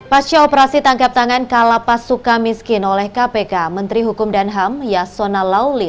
pasca operasi tangkap tangan kalapas suka miskin oleh kpk menteri hukum dan ham yasona lauli